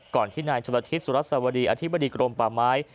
ก่อนที่นายชนทิศสุรสาวดีอธิบดีกรมป่าไม้